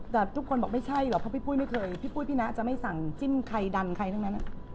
แต่ทุกคนบอกไม่ใช่หรอกเพราะพี่ปุ้ยไม่เคยพี่ปุ้ยพี่นะจะไม่สั่งจิ้มใครดันใครทั้งนั้น